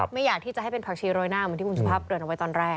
ไม่อยากที่จะให้เป็นผักชีโรยหน้าเหมือนที่คุณสุภาพเกริ่นเอาไว้ตอนแรก